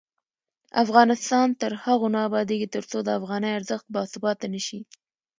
افغانستان تر هغو نه ابادیږي، ترڅو د افغانۍ ارزښت باثباته نشي.